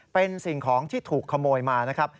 เป็นสิ่งของที่ถูกขโมยมานะครับ